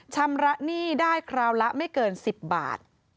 ชำระหนี้ได้คราวละไม่เกิน๑๐บาท